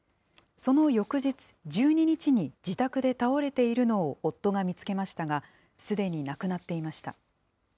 その翌日１２日に自宅で倒れているのを夫が見つけましたが、すでに亡くなっていました。